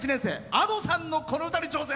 Ａｄｏさんの、この歌に挑戦。